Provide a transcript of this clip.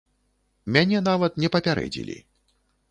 Мяне нават не папярэдзілі.